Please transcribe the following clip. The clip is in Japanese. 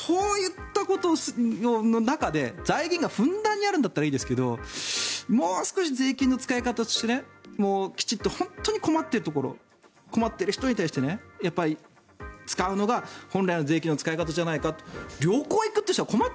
そういったことの中で財源がふんだんにあるんだったらいいですけどもう少し税金の使い方としてきちんと本当に困っているところ困っている人に対して使うのが本来の税金の使い方じゃないかと。